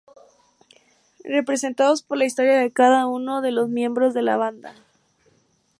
Representados por la historia de cada uno de los miembros de la banda.